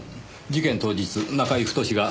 事件当日中居太が。